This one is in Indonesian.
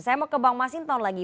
saya mau ke bang mas hinton lagi